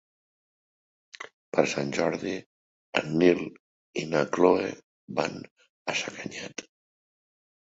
Per Sant Jordi en Nil i na Cloè van a Sacanyet.